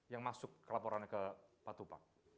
yang masuk ke laporan ke patu pak